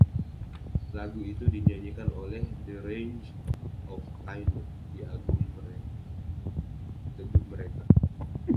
Lagu itu dinyanyikan oleh The Reign of Kindo di album debut mereka.